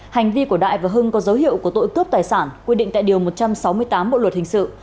hành vi của đại và hưng có dấu hiệu của tội cướp tài sản quy định tại điều một trăm sáu mươi tám bộ luật hình sự